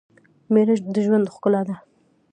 مېړه دژوند ښکلا ده